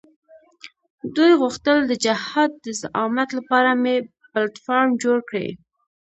دوی غوښتل د جهاد د زعامت لپاره ملي پلټفارم جوړ کړي.